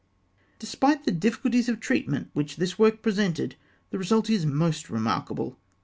Despite the difficulties of treatment which this work presented, the result is most remarkable.